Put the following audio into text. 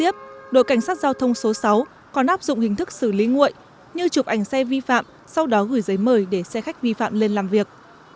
trước đó đội cảnh sát giao thông số sáu còn áp dụng hình thức xử lý nguội như chụp ảnh xe vi phạm sau đó gửi giấy mời để xe khách vi phạm lên làm việc